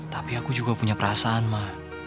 tapi aku juga punya perasaan mah